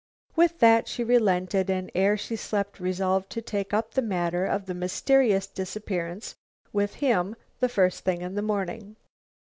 With that she relented, and ere she slept resolved to take up the matter of the mysterious disappearance with him the first thing in the morning.